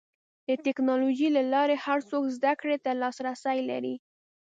د ټکنالوجۍ له لارې هر څوک زدهکړې ته لاسرسی لري.